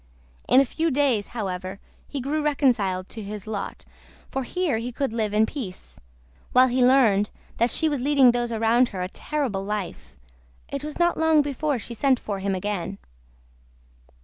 In a few days, however, he grew reconciled to his lot, for here he could live in peace, while he learned that she was leading those around her a terrible life, it was not long before she sent for him again.